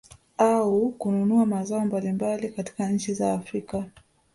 Au kununua mazao mbalimbali katika nchi za Afrika